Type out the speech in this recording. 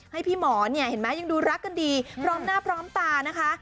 ให้พี่หมอเนี่ยเห็นไหมยังดูรักกันดีพร้อมหน้าพร้อมตานะคะ